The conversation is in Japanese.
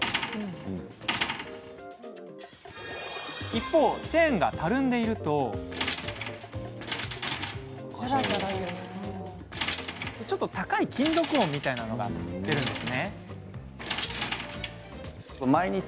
一方、チェーンがたるんでいると高い金属音みたいのが出るんです。